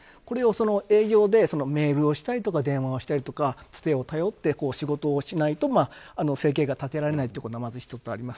営業でメールをしたりとか電話をしたりとかつてを頼って仕事をしないと生計が立てられないというのが１つあります。